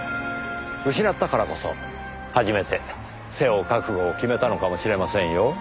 失ったからこそ初めて背負う覚悟を決めたのかもしれませんよ。